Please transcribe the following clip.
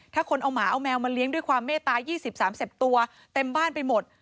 ถ้าคนเอาหมาเอาแมวมาเลี้ยงด้วยความเมตตา๒๐๓๐ตัวเต็มบ้านไปหมด